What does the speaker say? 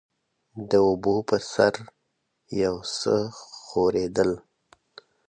د اوبو پر سر يو څه ښورېدل.